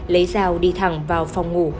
lấy rào đi thẳng vào phòng ngủ